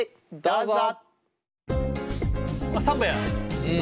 どうぞ！